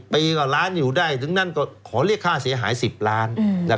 ปีกว่าล้านอยู่ได้ถึงนั่นก็ขอเรียกค่าเสียหาย๑๐ล้าน